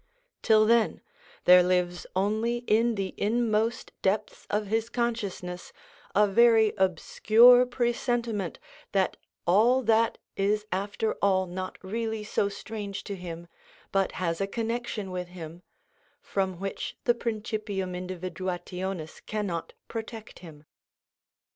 Till then, there lives only in the inmost depths of his consciousness a very obscure presentiment that all that is after all not really so strange to him, but has a connection with him, from which the principium individuationis cannot protect him.